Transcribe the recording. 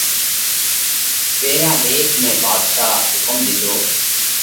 پيرهيان ليک ۾ ڀاڌشا حُڪم ۮِيڌو